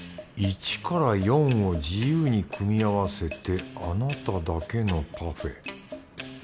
「１から４を自由に組み合わせてあなただけのパフェ」。